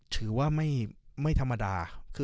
ถือว่าไม่ธรรมดา